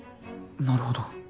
なるほど